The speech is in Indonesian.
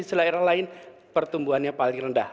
selera lain pertumbuhannya paling rendah